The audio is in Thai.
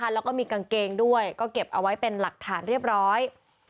แล้วก็มีกางเกงด้วยก็เก็บเอาไว้เป็นหลักฐานเรียบร้อย